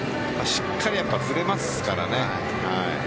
しっかり振れますからね。